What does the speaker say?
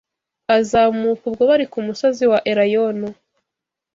azamuka ubwo bari ku musozi wa Elayono.